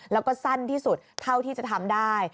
แล้วก็สั้นที่สุดเท่าที่จะทำได้